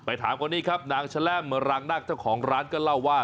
ถามคนนี้ครับนางแชล่มรางนักเจ้าของร้านก็เล่าว่า